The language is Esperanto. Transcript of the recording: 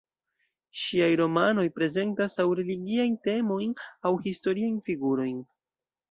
Ŝiaj romanoj prezentas aŭ religiajn temojn, aŭ historiajn figurojn.